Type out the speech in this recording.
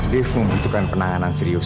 dev membutuhkan penanganan serius